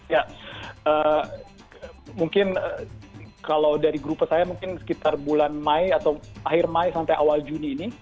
ya mungkin kalau dari grup saya mungkin sekitar bulan mei atau akhir mai sampai awal juni ini